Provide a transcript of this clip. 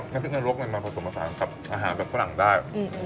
และพริกอันโลกมันมาผสมผสานกับอาหารแบบฝรั่งได้